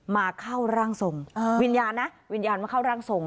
มาเข้าร่างทรงวิญญาณนะวิญญาณมาเข้าร่างทรง